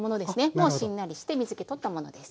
もうしんなりして水け取ったものです。